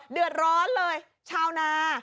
เดือดร้อนเลยชาวนา